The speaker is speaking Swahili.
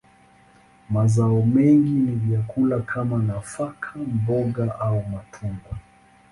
Mazao mengi ni vyakula kama nafaka, mboga, au matunda.